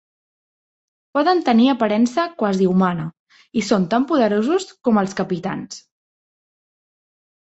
Poden tenir aparença quasi humana i són tan poderosos com els capitans.